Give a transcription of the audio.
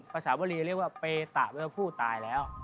สาวรีเรียกว่าเปตะเวอร์ผู้ตายแล้ว